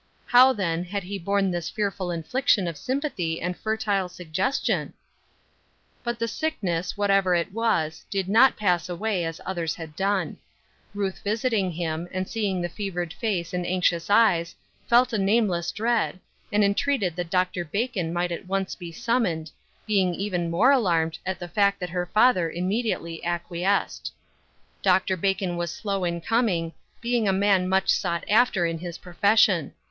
How, then, had he borne this fearful infliction of sympathy and fertile suggestion ? But the sickness, whatever it was, did not pass away, as others had done. Ruth visiting him, and seeing the fevered face and anxious eyes, felt a nameless dread, and entreated that Dr. Bacon might at once be summoned, being even more alarmed at the fact that her father immediately acquiesced. Dr. Bacon was slow in coming, being a man much sought after in his profession.